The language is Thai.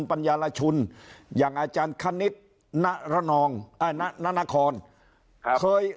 ปัญญาลชุนอย่างอาจารย์คณิตนะระนองอ่ะนะนานาคอนครับเคย